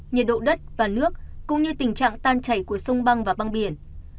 nhiệt độ đất và nước cũng như tình trạng tan chảy của sông băng và băng biển